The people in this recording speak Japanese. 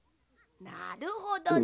なるほどね。